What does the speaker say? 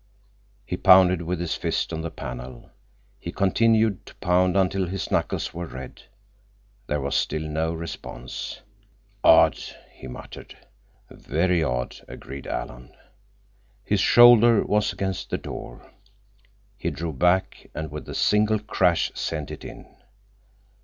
He pounded with his fist on the panel. He continued to pound until his knuckles were red. There was still no response. "Odd," he muttered. "Very odd," agreed Alan. His shoulder was against the door. He drew back and with a single crash sent it in.